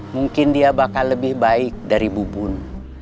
mungkin dia bakal lebih baik dari bu bun